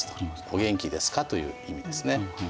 お元気ですか？という意味ですね。